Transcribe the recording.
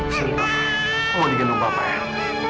kava mau digendong kakak ya